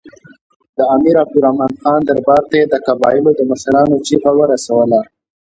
د امیر عبدالرحمن خان دربار ته یې د قبایلو د مشرانو چیغه ورسوله.